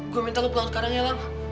gue minta lu pulang sekarang ya lang